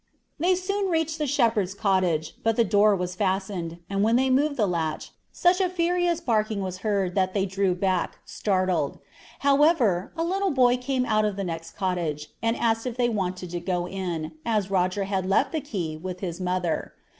"They soon reached the shepherd's cottage, but the door was fastened; and when they moved the latch, such a furious barking was heard that they drew back, startled. However, a little boy came out of the next cottage, and asked if they wanted to go in, as Roger had left the key with his mother.